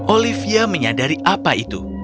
olivia menyadari apa itu